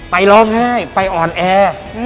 ไปร้องไห้ไปอ่อนแอ